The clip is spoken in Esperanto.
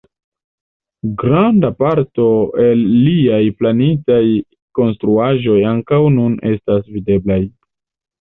Granda parto el liaj planitaj konstruaĵoj ankaŭ nun estas videblaj.